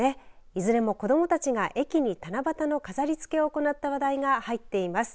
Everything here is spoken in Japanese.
いずれも子どもたちが駅に七夕の飾りつけを行った話題が入っています。